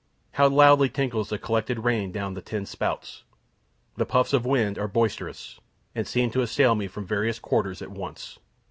How loudly tinkles the collected rain down the tin spouts! The puffs of wind are boisterous, and seem to assail me from various quarters at once.